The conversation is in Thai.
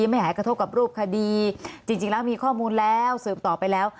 ไม่หายกระทบกับรูปคดีจริงแล้วมีข้อมูลแล้วสืบต่อไปแล้ว